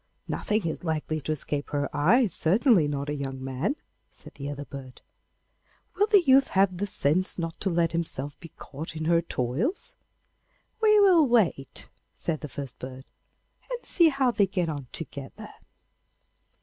'Nothing is likely to escape her eyes, certainly not a young man,' said the other bird. 'Will the youth have the sense not to let himself be caught in her toils?' 'We will wait,' said the first bird, 'and see how they get on together.